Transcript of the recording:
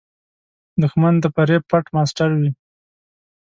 دښمن د فریب پټ ماسټر وي